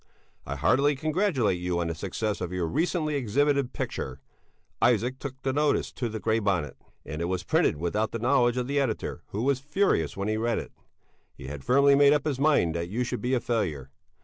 I heartily congratulate you on the success of your recently exhibited picture. Isaac took the notice to the Grey Bonnet, and it was printed without the knowledge of the editor, who was furious when he read it; he had firmly made up his mind that you should be a failure.